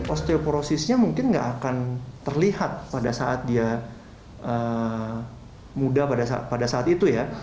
osteoporosisnya mungkin nggak akan terlihat pada saat dia muda pada saat itu ya